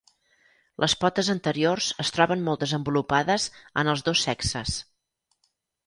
Les potes anteriors es troben molt desenvolupades en els dos sexes.